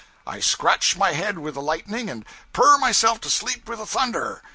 I scratch my head with the lightning, and purr myself to sleep with the thunder!